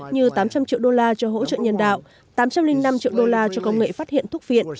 như tám trăm linh triệu đô la cho hỗ trợ nhân đạo tám trăm linh năm triệu đô la cho công nghệ phát hiện thuốc viện